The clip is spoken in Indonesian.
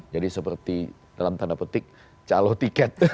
jadi seperti dalam tanda petik calo tiket